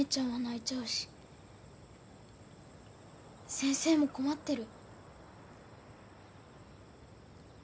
先生も困ってる。